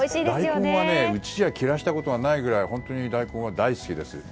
大根はうちは切らしたことがないぐらい本当に大根は大好きです。